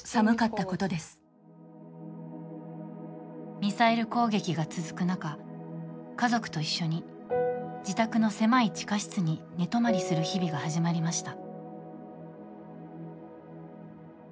ミサイル攻撃が続く中家族と一緒に自宅の狭い地下室に寝泊まりする日々が始まりました。